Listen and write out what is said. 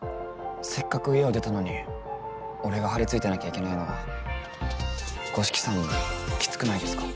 せっかく家を出たのに俺が張り付いてなきゃいけないのは五色さんもきつくないですか？